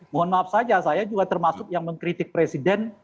mohon maaf saja saya juga termasuk yang mengkritik presiden